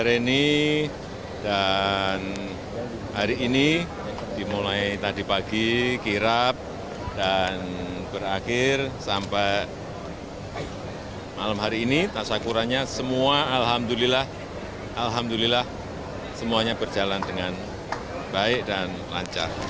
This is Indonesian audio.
hari ini dan hari ini dimulai tadi pagi kirap dan berakhir sampai malam hari ini tasyakurannya semua alhamdulillah semuanya berjalan dengan baik dan lancar